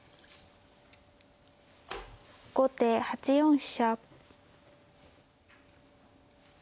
後手８四飛車。